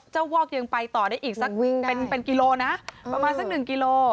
เจ้าวอกยังไปต่อได้อีกสักกิโลนะประมาณสัก๑กิโล